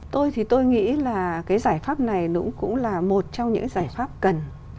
tôi thì tôi nghĩ là cái giải pháp này nó cũng là một trong những giải pháp cần